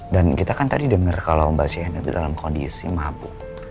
dan kita kan tadi dengar kalau mbak sienna itu dalam kondisi mabuk